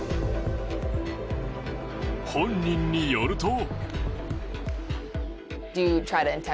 本人によると。